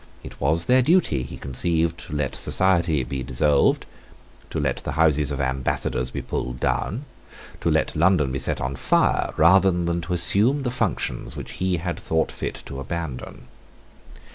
It was their duty, he conceived, to let society be dissolved, to let the houses of Ambassadors be pulled down, to let London be set on fire, rather than assume the functions which he had thought fit to abandon.